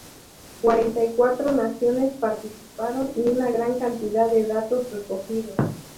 Cuarenta y cuatro naciones participaron, y una gran cantidad de datos recogidos.